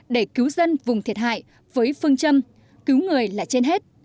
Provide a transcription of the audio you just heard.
để cứu dân vùng thiệt hại với phương châm cứu người là trên hết